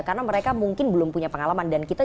karena mereka mungkin belum punya pengalaman